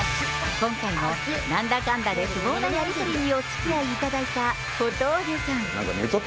今回もなんだかんだで、不毛なやり取りにおつきあいいただいた小峠さん。